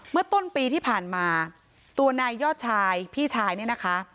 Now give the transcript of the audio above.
เมื่อต้นปีที่ผ่านมาตัวนายยอดชายพี่ชายเนี่ยนะคะ